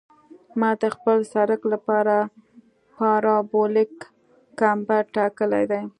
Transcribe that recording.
ما د خپل سرک لپاره پارابولیک کمبر ټاکلی دی